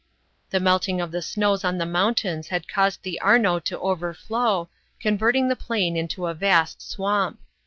The melting of the snows on the mountains had caused the Arno to overflow, converting the plain into a vast swamp.